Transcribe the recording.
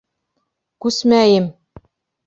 Күсмәйем!